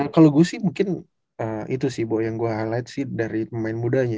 kalau gue sih mungkin itu sih yang gue highlight sih dari pemain mudanya